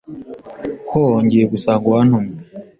ho ngiye gusanga uwantumye